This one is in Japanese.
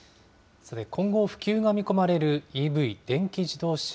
さて今後、普及が見込まれるＥＶ・電気自動車。